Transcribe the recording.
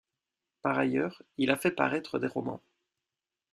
Par ailleurs, il a fait paraître des romans.